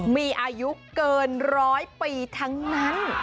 มีอายุเกินร้อยปีทั้งนั้น